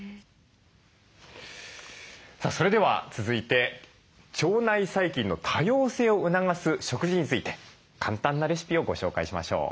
さあそれでは続いて腸内細菌の多様性を促す食事について簡単なレシピをご紹介しましょう。